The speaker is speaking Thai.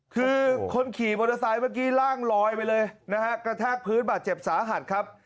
คือคนขี่มอเตอร์ไซค์เมื่อกี้ร่างลอยไปเลยนะฮะกระแทกพื้นบาดเจ็บสาหัสครับ